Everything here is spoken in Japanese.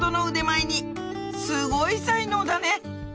すごい才能だね！